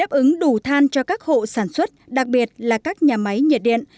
đáp ứng đủ than cho các hộ sản xuất đặc biệt là các nhà máy nhiệt điện